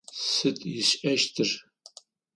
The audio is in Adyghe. Сыд ышӏэщтыр?